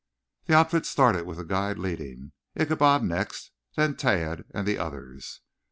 The outfit started with the guide leading, Ichabod next, then Tad and the others.